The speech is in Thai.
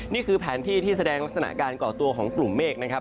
นี่คือแผนที่ที่แสดงลักษณะการก่อตัวของกลุ่มเมฆนะครับ